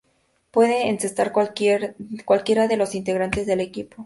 Puede encestar cualquiera de los integrantes del equipo.